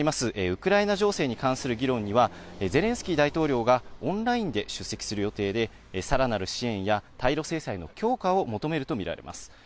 ウクライナ情勢に関する議論には、ゼレンスキー大統領がオンラインで出席する予定で、さらなる支援や対ロ制裁の強化を求めると見られます。